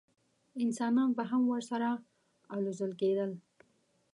انسانان به هم ورسره الوزول کېدل.